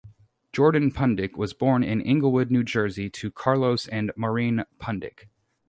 Jordan Pundik was born in Englewood, New Jersey to Carlos and Maureen Pundik.